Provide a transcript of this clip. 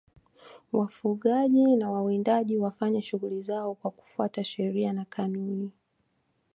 wafugaji na wawindaji wafanye shughuli zao kwa kufuata sheria na kanuni